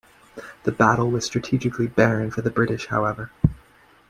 The battle was strategically barren for the British, however.